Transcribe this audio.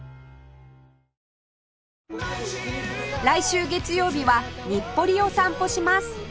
来週月曜日は日暮里を散歩します